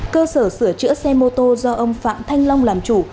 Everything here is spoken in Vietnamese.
cơ sở sửa chữa xe mô tô do ông phạm thanh long làm chủ